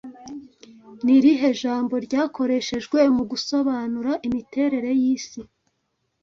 Ni irihe jambo ryakoreshejwe mu gusobanura imiterere y'isi